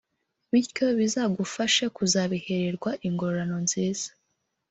bityo bizagufashe kuzabihererwa ingororano nziza